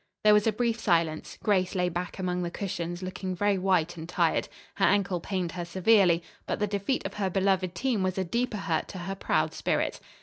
There was a brief silence. Grace lay back among the cushions, looking very white and tired. Her ankle pained her severely, but the defeat of her beloved team was a deeper hurt to her proud spirit.